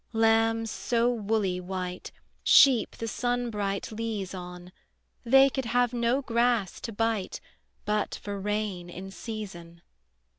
Lambs so woolly white, Sheep the sun bright leas on, They could have no grass to bite But for rain in season.